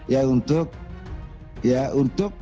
ya untuk ya untuk